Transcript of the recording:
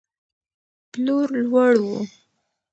پلور لوړ و.